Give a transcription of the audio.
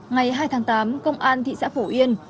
ngày hai tháng tám công an thị xã phổ yên